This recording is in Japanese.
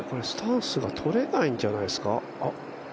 スタンスがとれないんじゃないですか？